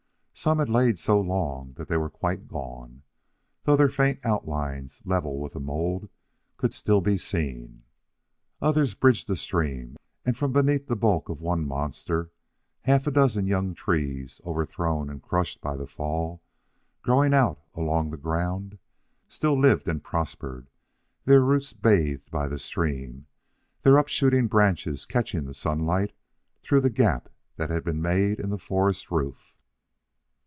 Some had lain so long that they were quite gone, though their faint outlines, level with the mould, could still be seen. Others bridged the stream, and from beneath the bulk of one monster half a dozen younger trees, overthrown and crushed by the fall, growing out along the ground, still lived and prospered, their roots bathed by the stream, their upshooting branches catching the sunlight through the gap that had been made in the forest roof.